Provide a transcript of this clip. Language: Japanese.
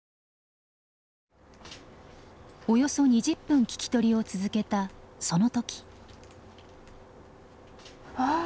およそ２０分聞き取りを続けたその時。